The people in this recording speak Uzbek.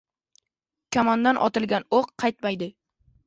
• Kamondan otilgan o‘q qaytmaydi.